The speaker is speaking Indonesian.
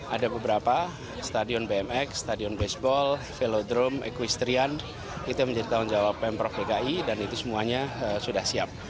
ada beberapa stadion bmx stadion baseball velodrome equestrian itu yang menjadi tanggung jawab pemprov dki dan itu semuanya sudah siap